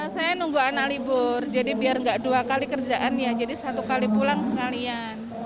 saya nunggu anak libur jadi biar nggak dua kali kerjaan ya jadi satu kali pulang sekalian